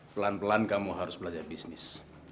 pelan pelan kamu harus belajar bisnis